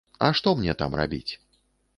А што мне там рабіць?